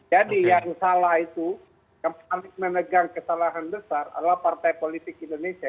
jadi yang salah itu yang paling menegang kesalahan besar adalah partai politik indonesia